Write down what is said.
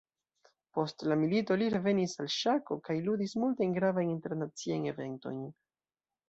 Post la milito, li revenis al ŝako kaj ludis multajn gravajn internaciajn eventojn.